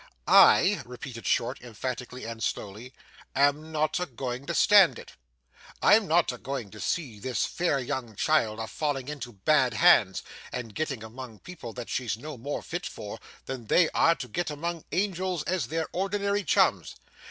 'I,' repeated Short emphatically and slowly, 'am not a going to stand it. I am not a going to see this fair young child a falling into bad hands, and getting among people that she's no more fit for, than they are to get among angels as their ordinary chums.